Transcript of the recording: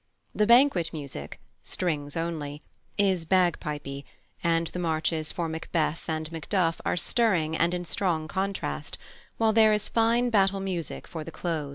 The Banquet music (strings only) is bagpipey, and the marches for Macbeth and Macduff are stirring and in strong contrast, while there is fine battle music for the close.